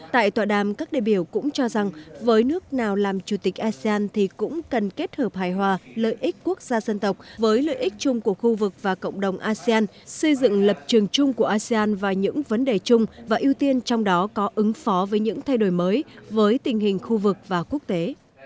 tại tọa đàm các đề biểu cũng cho rằng với nước nào làm chủ tịch asean thì cũng cần kết hợp hài hòa lợi ích quốc gia dân tộc với lợi ích chung của khu vực và cộng đồng asean xây dựng lập trường chung của asean và những vấn đề chung và ưu tiên trong đó có ứng phó với những thay đổi mới với tình hình khu vực và quốc tế